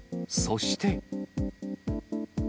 そして。